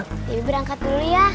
pak debbie berangkat dulu ya